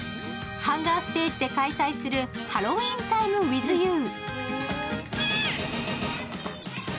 ハンガーステージで開催するハロウィーンタイム・ウィズ・ユー。